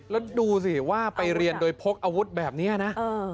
แล้วดูสิว่าไปเรียนโดยพกอาวุธแบบนี้นะ